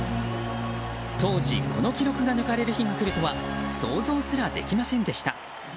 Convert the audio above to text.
当時、この記録が抜かれる日が来るとは想像すらできませんでした。